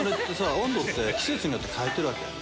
温度って季節によって変えてるわけ？